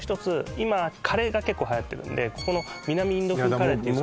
今カレーが結構はやってるんでここの南インド風カレーやだ